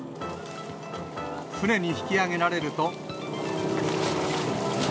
船に引き揚げられると。